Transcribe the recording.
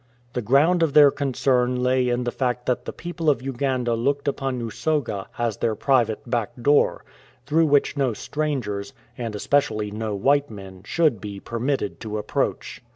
The ground of their concern lay in the fact that the people of Uganda looked upon Usoga as their private " back door," through which no strangers, and especially no white men, should be permitted to approach.